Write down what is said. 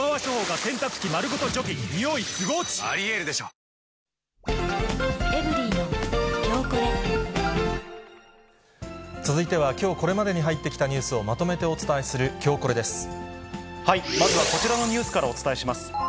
最高の渇きにＤＲＹ続いては、きょうこれまでに入ってきたニュースをまとめてお伝えするきょうまずはこちらのニュースからお伝えします。